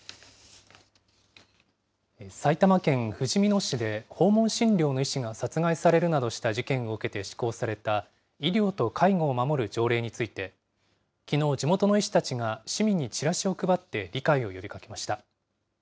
埼玉県ふじみ野市で訪問診療の医師が殺害されるなどした事件を受けて施行された、医療と介護を守る条例について、きのう、地元の医師たちが市民にチラシを配って理解を呼びかけました。